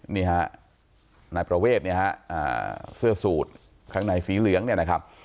นี่ฮะนายประเวทเนี่ยฮะเสื้อสูตรข้างในสีเหลืองเนี่ยนะครับ